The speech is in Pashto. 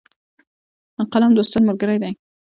قلم د استاد ملګری دی